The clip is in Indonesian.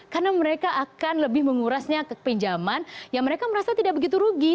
karena mereka akan lebih mengurasnya ke pinjaman yang mereka merasa tidak begitu rugi